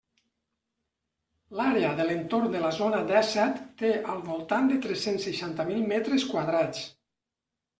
L'àrea de l'entorn de la Zona dèsset té al voltant de tres-cents seixanta mil metres quadrats.